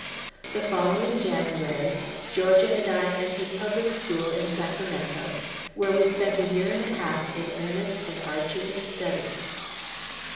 The following January, Georgia and I entered public school in Sacramento, where we spent a year and a half in earnest and arduous study.